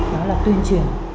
đó là tuyên truyền